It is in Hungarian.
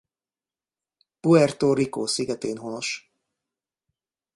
Puerto Rico szigetén honos.